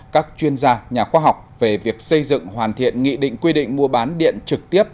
các chuyên gia nhà khoa học về việc xây dựng hoàn thiện nghị định quy định mua bán điện trực tiếp